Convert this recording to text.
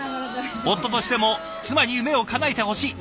夫としても妻に夢をかなえてほしい。